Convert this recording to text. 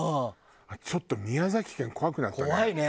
ちょっと宮崎県怖くなったね。